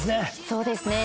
そうですね。